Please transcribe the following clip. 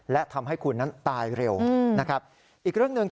และทำให้คุณนั้นตายเร็วนะครับอีกเรื่องหนึ่งคือ